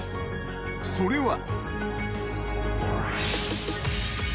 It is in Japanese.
［それは］